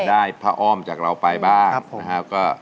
ได้พระอ้อมจากเราไปบ้าง